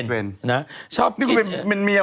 นี่เป็นเหมือนแม่ของผม